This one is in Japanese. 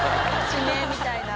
地名みたいな。